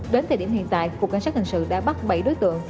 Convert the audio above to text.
đến thời điểm hiện tại cục cảnh sát hình sự đã bắt bảy đối tượng